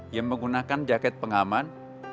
yang menggunakan jaket pengaman